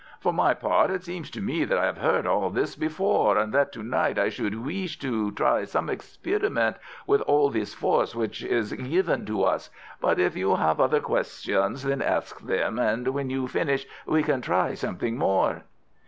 "For my part, it seems to me that I have heard all this before, and that to night I should weesh to try some experiment with all this force which is given to us. But if you have other questions, then ask them, and when you are finish we can try something more."